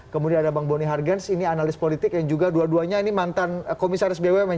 kemudian ada bang boni hargens ini analis politik yang juga dua duanya ini mantan komisaris bumn